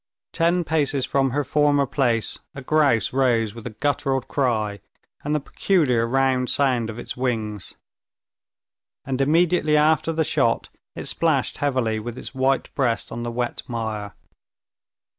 Ten paces from her former place a grouse rose with a guttural cry and the peculiar round sound of its wings. And immediately after the shot it splashed heavily with its white breast on the wet mire.